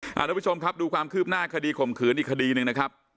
คุณผู้ชมครับดูความคืบหน้าคดีข่มขืนอีกคดีหนึ่งนะครับ